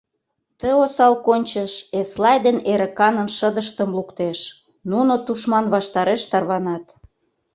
Ты осал кончыш Эслай ден Эрыканын шыдыштым луктеш, нуно тушман ваштареш тарванат.